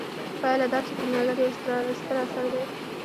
پایله دا چې کیمیاګر یو ستر اثر دی.